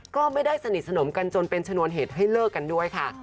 ก็ไม่ได้สนิทสนมกันจนเป็นชนวนเหตุให้เลิกกันด้วยค่ะ